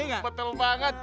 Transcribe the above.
iya betul banget